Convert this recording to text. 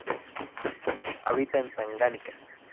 Habita en Tanganica.